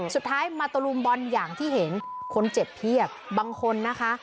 สุดท้ายมาตะลุมบอลอย่างที่เห็นคนเจ็บเพียบบางคนนะคะ